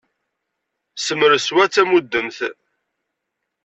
Semres wa d tamudemt!